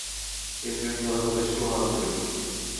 তিনি ছিলেন সদা সচেষ্ট ও আন্তরিক।